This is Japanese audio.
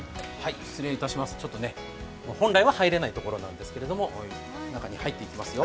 本来は入れないところなんですけれども中に入っていきますよ。